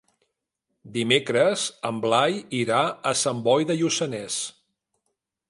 Dimecres en Blai irà a Sant Boi de Lluçanès.